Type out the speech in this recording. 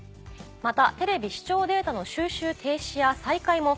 また。